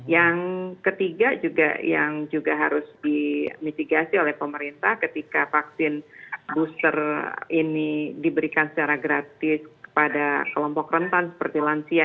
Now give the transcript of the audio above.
yang ketiga juga yang juga harus dimitigasi oleh pemerintah ketika vaksin booster ini diberikan secara gratis kepada kelompok rentan seperti lansia